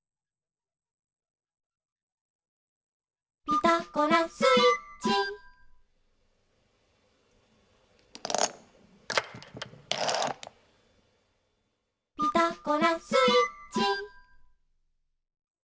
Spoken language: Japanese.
「ピタゴラスイッチ」「ピタゴラスイッチ」